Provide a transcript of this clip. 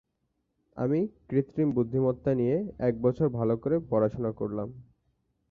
আমি কৃত্রিম বুদ্ধিমত্তা নিয়ে একবছর ভালো করে পড়াশোনা করলাম।